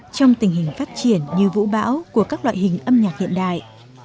trong tình hình phát triển như vũ bão của các loại hình âm nhạc hiện đại